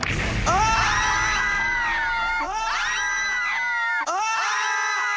ああ！